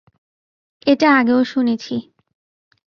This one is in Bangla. এটা আগেও শুনেছি।